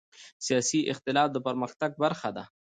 سیاسي اختلاف د پرمختګ برخه ده